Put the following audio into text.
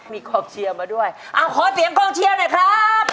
มีความเชื่อมาด้วยอ่ะขอเสียงความเชื่อหน่อยครับ